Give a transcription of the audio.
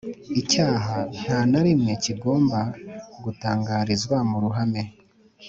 Icyaha nta na rimwe kigomba gutangarizwa mu ruhame